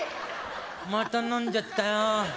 また飲んじゃったよ。